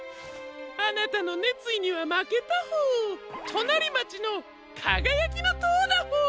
あなたのねついにはまけたホォー。となりまちの「かがやきのとう」だホォー。